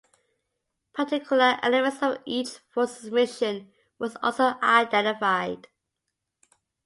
Particular elements of each force's mission were also identified.